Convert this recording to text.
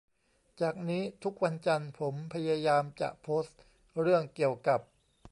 จากนี้ทุกวันจันทร์ผมพยายามจะโพสเรื่องเกี่ยวกับ